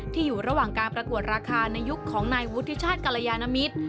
อยู่ระหว่างการประกวดราคาในยุคของนายวุฒิชาติกรยานมิตร